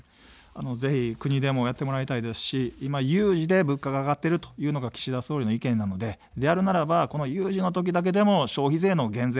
ぜひ国でもやってもらいたいですし、今、有事で物価が上がっているというのが岸田総理の意見なので、であるならば有事の時だけでも消費税の減税。